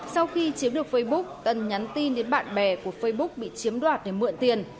sau khi chiếm được facebook tân nhắn tin đến bạn bè của facebook bị chiếm đoạt để mượn tiền